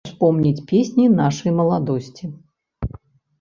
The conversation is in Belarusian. Успомніць песні нашай маладосці.